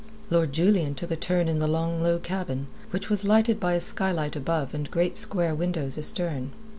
Lord Julian took a turn in the long low cabin, which was lighted by a skylight above and great square windows astern.